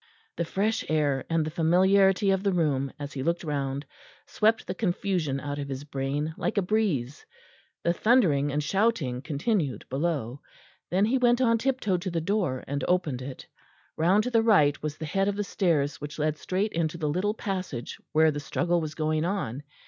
The fresh air and the familiarity of the room, as he looked round, swept the confusion out of his brain like a breeze. The thundering and shouting continued below. Then he went on tip toe to the door and opened it. Round to the right was the head of the stairs which led straight into the little passage where the struggle was going on.